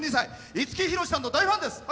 五木ひろしさんの大ファンです。